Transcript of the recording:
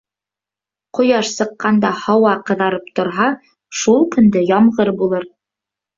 Ҡояш сыҡҡанда һауа ҡыҙарып торһа, шул көндө ямғыр булыр.